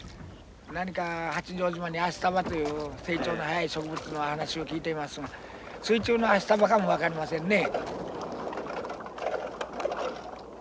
何か八丈島にアシタバという成長の早い植物の話を聞いていますが水中のアシタバかも分かりませんね。